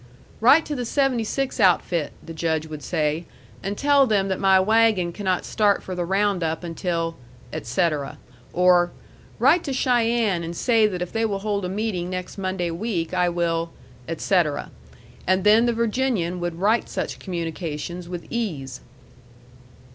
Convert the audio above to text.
"Write to the 76 outfit," the Judge would say, "and tell them that my wagon cannot start for the round up until," etc.; or "Write to Cheyenne and say that if they will hold a meeting next Monday week, I will," etc. And then the Virginian would write such communications with ease.